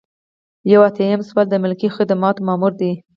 یو ایاتیام سوال د ملکي خدمتونو مامور دی.